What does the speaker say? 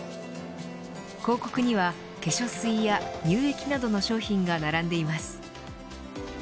広告には、化粧水や乳液などの商品が並んでいます